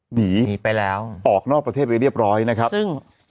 หนีไปแล้วออกนอกประเทศไปเรียบร้อยนะครับซึ่ง